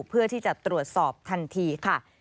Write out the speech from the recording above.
เพื่อที่จะตรวจสอบทันทีค่ะ